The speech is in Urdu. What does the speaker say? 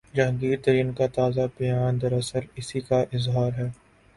جہانگیر ترین کا تازہ بیان دراصل اسی کا اظہار ہے۔